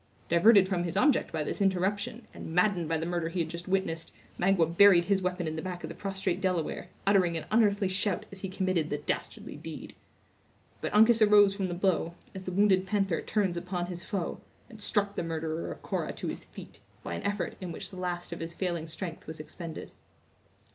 Diverted from his object by this interruption, and maddened by the murder he had just witnessed, Magua buried his weapon in the back of the prostrate Delaware, uttering an unearthly shout as he committed the dastardly deed. But Uncas arose from the blow, as the wounded panther turns upon his foe, and struck the murderer of Cora to his feet, by an effort in which the last of his failing strength was expended.